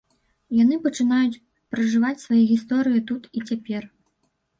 Яны пачынаюць пражываць свае гісторыі тут і цяпер.